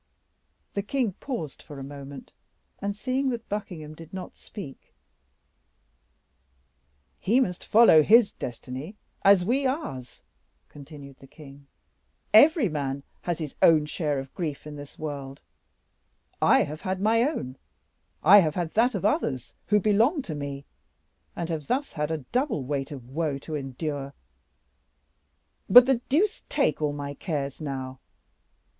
The king paused for a moment, and, seeing that Buckingham did not speak, "He must follow his destiny, as we ours," continued the king; "every man has his own share of grief in this world; I have had my own, I have had that of others who belong to me, and have thus had a double weight of woe to endure! But the deuce take all my cares now!